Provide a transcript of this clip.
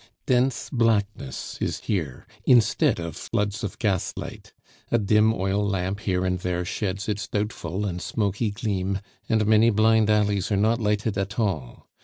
Dense blackness is here, instead of floods of gaslight; a dim oil lamp here and there sheds its doubtful and smoky gleam, and many blind alleys are not lighted at all.